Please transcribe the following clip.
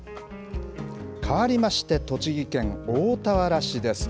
かわりまして、栃木県大田原市です。